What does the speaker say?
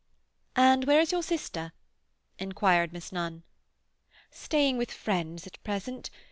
"And where is your sister?" inquired Miss Nunn. "Staying with friends at present.